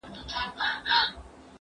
زه بايد خواړه ورکړم!!